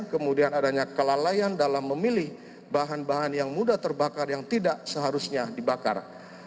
kemudian adanya kelalaian dalam memilih bahan bahan yang mudah terbakar yang tidak seharusnya dibakar